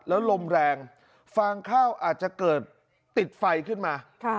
แล้วลมแรงฟางข้าวอาจจะเกิดติดไฟขึ้นมา